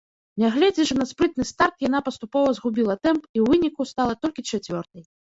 Нягледзячы на спрытны старт яна паступова згубіла тэмп і ў выніку стала толькі чацвёртай.